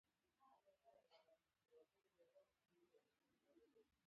تر ټولو لوی پاڅون انقلاب و.